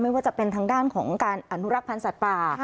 ว่าจะเป็นทางด้านของการอนุรักษ์พันธ์สัตว์ป่า